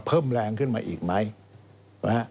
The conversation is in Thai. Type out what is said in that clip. เพิ่มแรงขึ้นมาอีกไหมนะฮะ